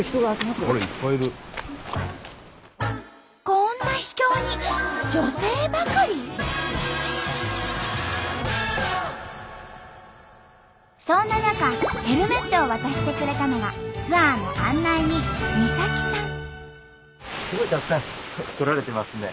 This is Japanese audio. こんな秘境にそんな中ヘルメットを渡してくれたのがツアーの案内人すごいたくさん来られてますね。